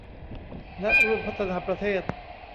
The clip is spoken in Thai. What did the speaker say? และร่วมพัฒนาประเทศ